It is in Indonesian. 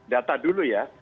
data dulu ya